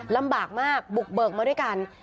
ลำบากมากบุกเบิกมาด้วยกัน